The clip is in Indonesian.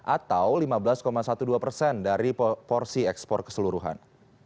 atau lima belas dua belas persen dari porsi ekspor keseluruhan